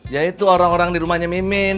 yaitu orang orang di rumahnya mimin